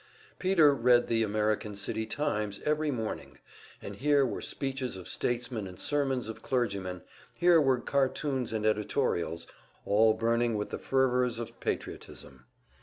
Peter read the American City "Times" every morning, and here were speeches of statesmen and sermons of clergymen, here were cartoons and editorials, all burning with the fervor's of patriotism.